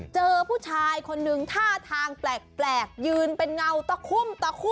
เจอผู้ชายคนนึงท่าทางแปลกยืนเป็นเงาตะคุ่มตะคุ่ม